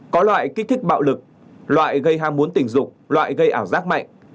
có loại kích thích bạo lực loại gây ham muốn tình dục loại gây ảo giác mạnh